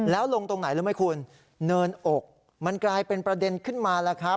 แล้วลงตรงไหนรู้ไหมคุณเนินอกมันกลายเป็นประเด็นขึ้นมาแล้วครับ